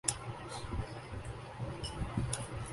modern standard Arabi